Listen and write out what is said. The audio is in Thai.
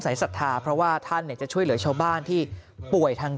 ศรัทธาเพราะว่าท่านจะช่วยเหลือชาวบ้านที่ป่วยทาง